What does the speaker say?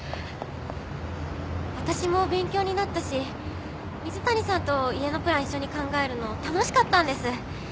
私も勉強になったし水谷さんと家のプラン一緒に考えるの楽しかったんです。